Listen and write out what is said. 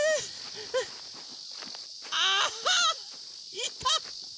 いた！